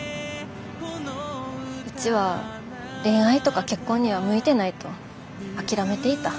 うちは恋愛とか結婚には向いてないと諦めていた。